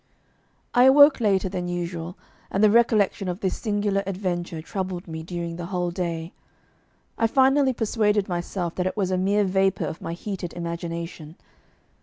I awoke later than usual, and the recollection of this singular adventure troubled me during the whole day. I finally persuaded myself that it was a mere vapour of my heated imagination.